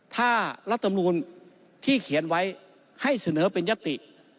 ถ้ารัฐมนูลที่เขียนไว้ให้เสนอเป็นยติ